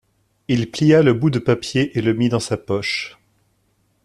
Il plia le bout de papier et le mit dans sa poche.